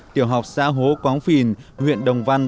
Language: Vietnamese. tiểu học xã hố quáng phìn huyện đồng văn